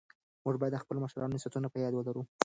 موږ بايد د خپلو مشرانو نصيحتونه په ياد ولرو.